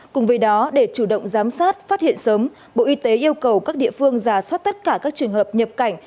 cùng với đó để chủ động giám sát phát hiện sớm bộ y tế yêu cầu các địa phương giả soát tất cả các trường hợp nhập cảnh